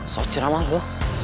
terserah banget lo